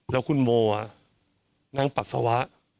และคุณโมนั่งปักษวะ